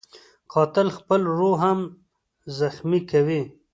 قاتل خپله روح هم زخمي کوي